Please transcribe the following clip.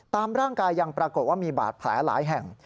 ตามร่างกายยังปรากฏว่ามีบาดแผลหลายแห่ง